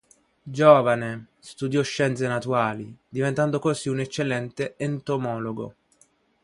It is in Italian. Giovane, studiò scienze naturali, diventando così un eccellente entomologo.